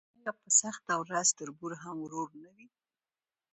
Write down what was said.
آیا په سخته ورځ تربور هم ورور نه وي؟